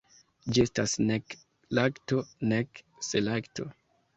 Ĝi estas nek lakto, nek selakto.